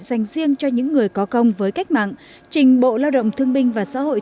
dành riêng cho những người có công với cách mạng trình bộ lao động thương binh và xã hội